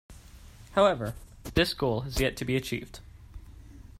However, this goal has yet to be achieved.